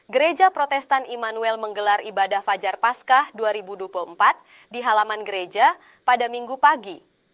gereja protestan immanuel menggelar ibadah fajar paskah dua ribu dua puluh empat di halaman gereja pada minggu pagi